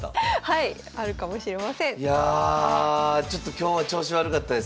いやちょっと今日は調子悪かったです。